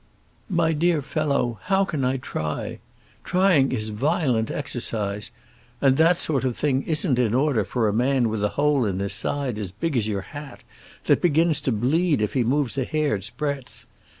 "My dear fellow, how can I try? Trying is violent exercise, and that sort of thing isn't in order for a man with a hole in his side as big as your hat, that begins to bleed if he moves a hair's breadth.